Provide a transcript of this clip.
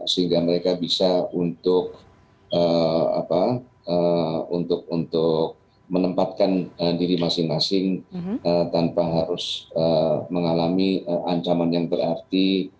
sehingga mereka bisa untuk menempatkan diri masing masing tanpa harus mengalami ancaman yang berarti